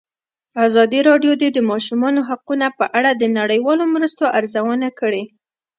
ازادي راډیو د د ماشومانو حقونه په اړه د نړیوالو مرستو ارزونه کړې.